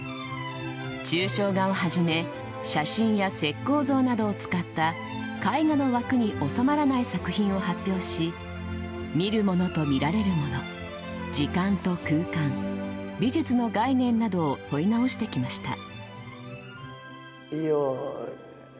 抽象画をはじめ、写真や石こう像などを使った、絵画の枠に収まらない作品を発表し、見るものと見られるもの、時間と空間、美術の概念などを問い直してきました。